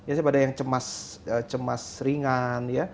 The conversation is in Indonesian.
biasanya pada yang cemas ringan ya